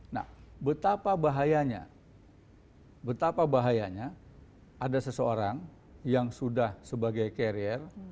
nah betapa bahayanya betapa bahayanya ada seseorang yang sudah sebagai carrier